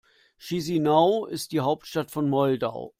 Chișinău ist die Hauptstadt von Moldau.